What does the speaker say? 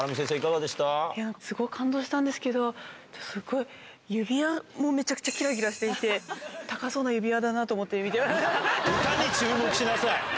すごい感動したんですけど、すごい指輪もめちゃくちゃきらきらしていて、高そうな指輪だなと歌に注目しなさい！